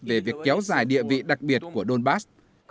về việc kéo dài địa vị đặc biệt của donbass